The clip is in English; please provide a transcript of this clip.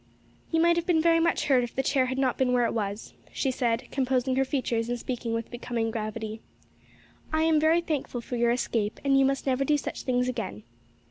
"You might have been very much hurt if the chair had not been where it was," she said, composing her features and speaking with becoming gravity, "I am very thankful for your escape, and you must never do such things again.